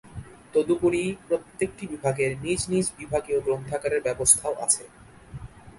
তদুপরি প্রত্যেকটি বিভাগের নিজ নিজ বিভাগীয় গ্রন্থাগারের ব্যবস্থাও আছে।